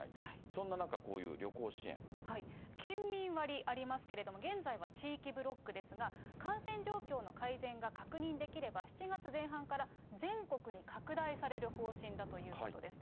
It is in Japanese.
そんな中、こういう旅行支援。県民割ありますけれども、現在は地域ブロックですが、感染状況の改善が確認できれば、７月前半から全国に拡大される方針だということです。